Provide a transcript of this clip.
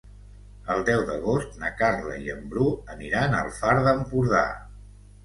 El deu d'agost na Carla i en Bru aniran al Far d'Empordà.